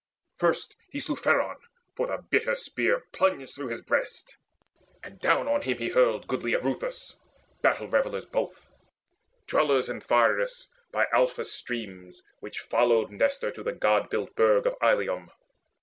First slew he Pheron; for the bitter spear Plunged through his breast, and down on him he hurled Goodly Ereuthus, battle revellers both, Dwellers in Thryus by Alpheus' streams, Which followed Nestor to the god built burg Of Ilium.